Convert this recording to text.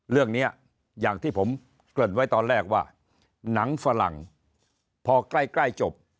เรื่องนี้อย่างที่ผมเกริ่นไว้ตอนแรกว่าหนังฝรั่งพอใกล้จบ